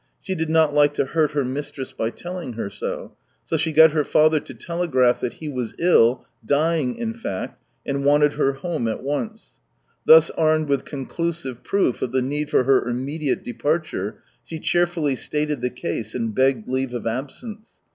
She did not like to hurt her mistress by telling her so. So she got her father to telegraph that he was ill, dying, in fact, and wanted her home at once. Thus armed with conclusive proof of the need for her immediate departure, she cheerfully stated the case, and begged leave of absence.